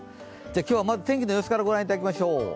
今日はまず天気の様子からご覧いただきましょう。